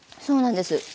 そうなんです。